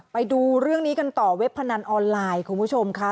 ไปดูเรื่องนี้กันต่อเว็บพนันออนไลน์คุณผู้ชมค่ะ